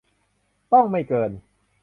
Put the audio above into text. ต้องไม่เกิน